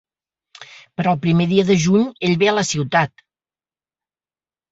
Però el primer dia de juny ell ve a la ciutat.